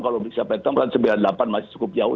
kalau bisa petom kan sembilan puluh delapan masih cukup jauh